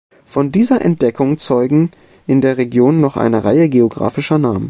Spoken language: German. Von dieser Entdeckung zeugen in der Region noch eine Reihe geographischer Namen.